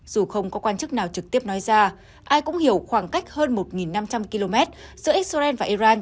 dù không có quan chức nào trực tiếp nói ra ai cũng hiểu khoảng cách hơn một năm trăm linh km giữa israel và iran